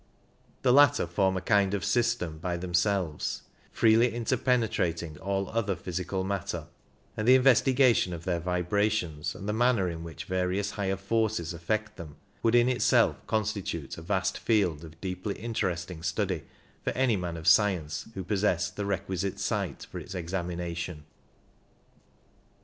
The latter form a kind of system by themselves, freely interpenetrating all other physical matter; and the investigation of their vibrations and the manner in which various higher forces affect them would in itself constitute a vast field of deeply interesting study for any man of science who possessed the requisite sight for its examination.